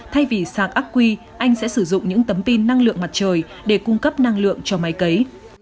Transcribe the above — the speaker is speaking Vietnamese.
thay vì sạc ác quy anh sẽ sử dụng những tấm pin năng lượng mặt trời để cung cấp năng lượng cho máy cấy